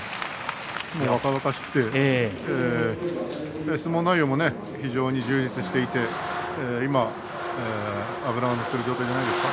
若々しくて相撲内容も充実していて今脂乗ってる状態じゃないですか。